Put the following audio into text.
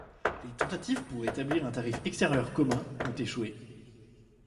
Les tentatives pour établir un tarif extérieur commun ont échoué.